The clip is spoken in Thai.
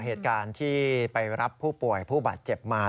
เหตุการณ์ที่ไปรับผู้ป่วยผู้บาดเจ็บมา